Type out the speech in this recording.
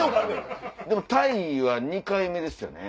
でもタイは２回目ですよね。